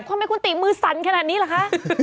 ทำไมคุณติมือสั่นขนาดนี้เหรอคะ